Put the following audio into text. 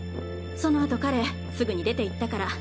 そのあと彼すぐに出て行ったから。